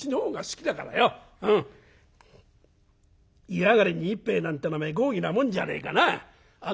湯上がりに一杯なんておめえ豪儀なもんじゃねえかなあ」。